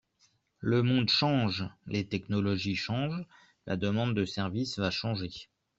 Le monde change, les technologies changent, la demande de services va changer.